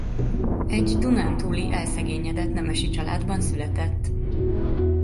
Egy dunántúli elszegényedett nemesi családban született.